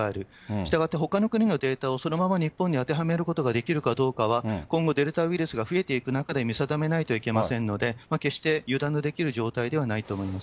したがってほかの国のデータをそのまま日本に当てはめることができるかどうかは、今後、デルタウイルスが増えていく中で見定めないといけませんので、決して油断のできる状況ではないと思います。